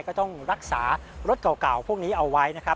ก็ต้องรักษารถเก่าพวกนี้เอาไว้นะครับ